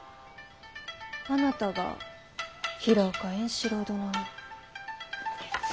あなたが平岡円四郎殿の。